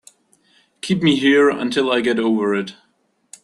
Keep me here until I get over it.